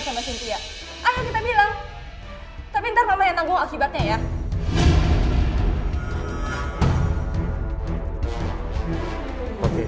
tapi ntar mama yang tanggung akibatnya ya